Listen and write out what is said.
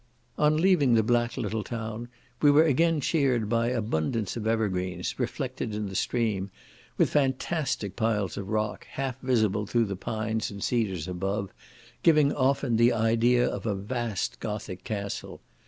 On leaving the black little town, we were again cheered by abundance of evergreens, reflected in the stream, with fantastic piles of rock, half visible through the pines and cedars above, giving often the idea of a vast gothic castle.